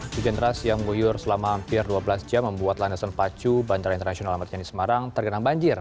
di jendera siam guyur selama hampir dua belas jam membuat landasan pacu bandara internasional amat yeni semarang tergenang banjir